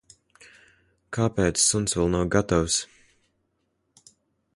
Kāpēc suns vēl nav gatavs?